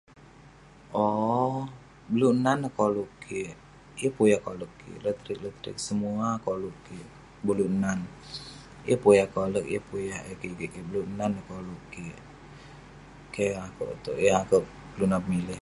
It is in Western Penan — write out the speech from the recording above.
Ow..beluk nan neh koluk kik..yeng pun yah koleg kik, le'terk le'terk..semua koluk kik, beluk nan..yeng pun yah koleg yeng pun yah kigeik kik..beluk nan neh koluk kik..keh akouk itouk, yeng akouk itouk kelunan milik..